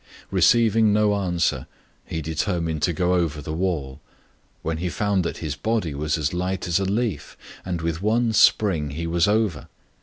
Receiving no answer, he determined to get over the wall, when he found that his body was as light as a leaf, and with one spring he was over.